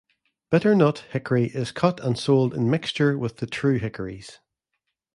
Bitternut hickory is cut and sold in mixture with the true hickories.